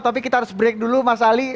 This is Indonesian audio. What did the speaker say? tapi kita harus break dulu mas ali